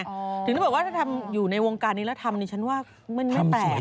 ถึงถึงบอกว่าถ้าทำอยู่ในวงการนี้แล้วทำนี่ฉันว่าเมื่อนี้แปลก